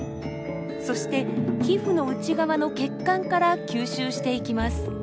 そして皮膚の内側の血管から吸収していきます。